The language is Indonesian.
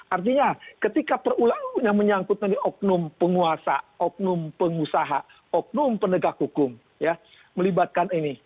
artinya ketika perulangnya menyangkutkan oknum penguasa oknum pengusaha oknum penegak hukum ya melibatkan ini